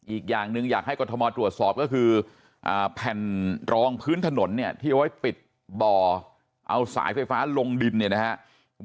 อีกอย่างหนึ่งอยากให้กรทมตรวจสอบก็คือแผ่นรองพื้นถนนเนี่ยที่เอาไว้ปิดบ่อเอาสายไฟฟ้าลงดินเนี่ยนะครับ